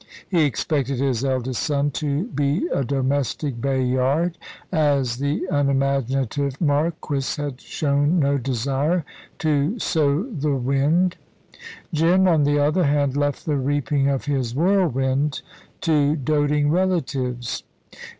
He expected his eldest son to be a domestic Bayard, as the unimaginative Marquis had shown no desire to sow the wind. Jim, on the other hand, left the reaping of his whirlwind to doting relatives.